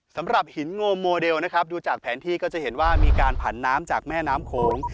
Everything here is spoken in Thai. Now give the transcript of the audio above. สำหรับหินโงโมเดลนะครับดูจากแผนที่ก็จะเห็นว่ามีการผันน้ำจากแม่น้ำโขง